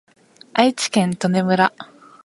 愛知県豊根村